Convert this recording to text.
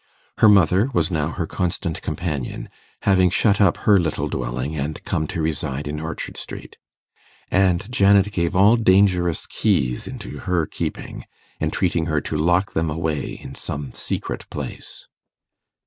Her mother was now her constant companion, having shut up her little dwelling and come to reside in Orchard Street; and Janet gave all dangerous keys into her keeping, entreating her to lock them away in some secret place.